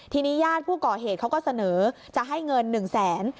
ทีนี้ญาติผู้ก่อเหตุเขาก็เสนอจะให้เงิน๑แสน